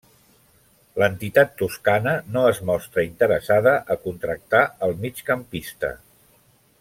L'entitat toscana no es mostra interessada a contractar el migcampista.